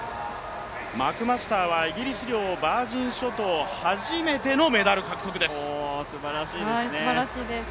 マクマスターはイギリス領ヴァージン諸島初めてのメダル獲得です。